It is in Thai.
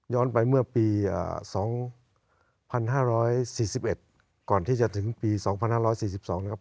ย้อนไปเมื่อปีอ่าสองพันห้าร้อยสี่สิบเอ็ดก่อนที่จะถึงปีสองพันห้าร้อยสี่สิบสองนะครับ